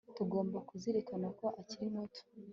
Tugomba kuzirikana ko akiri muto